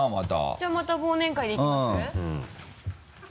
じゃあまた忘年会でいきます？